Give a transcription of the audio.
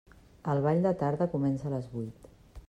El ball de tarda comença a les vuit.